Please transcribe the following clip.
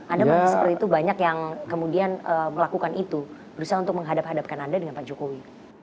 anda melihat seperti itu banyak yang kemudian melakukan itu berusaha untuk menghadap hadapkan anda dengan pak jokowi